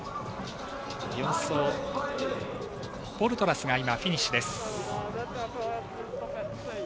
４走ボルトラスがフィニッシュです。